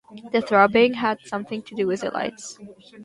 The throbbing had something to do with the lights.